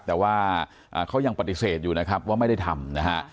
แต่ว่าเขายังปฏิเสธอยู่นะครับว่าไม่ได้ทำนะฮะ